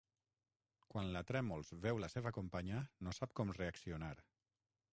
Quan la Trèmols veu la seva companya no sap com reaccionar.